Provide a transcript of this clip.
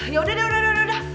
ya udah deh udah udah